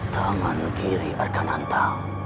tangan kiri arkananta